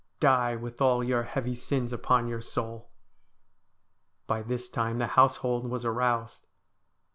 Die with all your heavy sins upon your soul.' By this time the household was aroused.